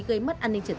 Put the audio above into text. đối với các sinh viên